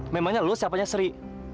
memangnya lu siapanya sri